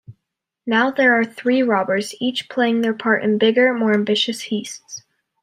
Now there are three robbers, each playing their part in bigger, more ambitious heists.